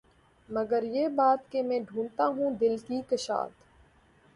مگر یہ بات کہ میں ڈھونڈتا ہوں دل کی کشاد